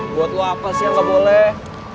buat lo apa sih yang gak boleh